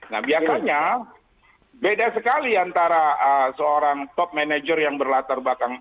nah biasanya beda sekali antara seorang top manager yang berlatar belakang